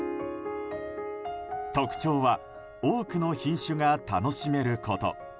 特徴は多くの品種が楽しめること。